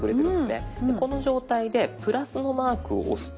この状態で＋のマークを押すと。